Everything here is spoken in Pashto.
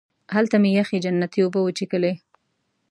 هلته مې یخې جنتي اوبه وڅښلې.